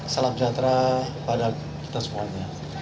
salam sejahtera pada kita semuanya